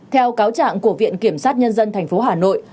theo cáo trạng của viện kiểm sát nhân dân tp hà nội